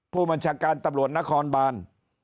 ผู้บัญชาการตำรวจนครบาน